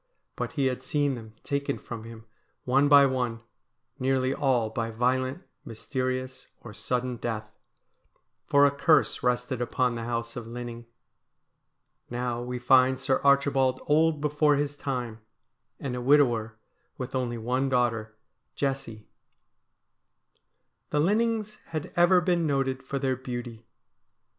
But he had seen them taken from him one by one, nearly all by violent, mysterious, or sudden death ; for a curse rested upon the house of Linning. Now we find Sir Archibald old before his time, and a widower with only one daughter, Jessie. The Linnings had ever been noted for their beauty.